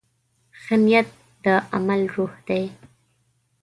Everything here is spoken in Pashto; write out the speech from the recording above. ښه نیت د عمل روح دی.